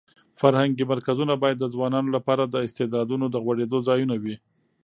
فرهنګي مرکزونه باید د ځوانانو لپاره د استعدادونو د غوړېدو ځایونه وي.